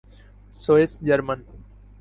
Swiss German